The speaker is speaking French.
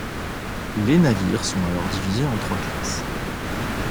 Les navires sont alors divisés en trois classes.